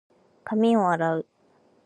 髪を洗う。